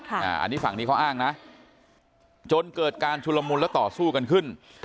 อันนี้ฝั่งนี้เขาอ้างนะจนเกิดการชุลมุนและต่อสู้กันขึ้น